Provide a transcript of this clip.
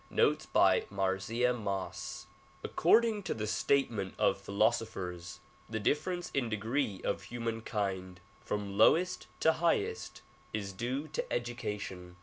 Notes by Marzieh Moss A CCORDING to the statement of philosophers the difference ^^ in degree of humankind from lowest to highest is due to edu cation.